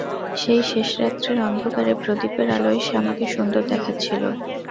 সেই শেষরাত্রের অন্ধকারে প্রদীপের আলোয় শ্যামাকে সুন্দর দেখাচ্ছিল।